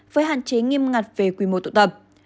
với hạn chế nghiêm ngặt về quy mô tụ tập